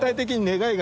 願いが。